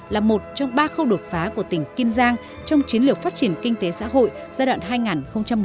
là một trong ba khâu đột phá của tỉnh kinh giang trong chiến lược phát triển kinh tế xã hội giai đoạn hai nghìn một mươi sáu hai nghìn hai mươi